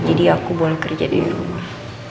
jadi aku boleh kerja di rumah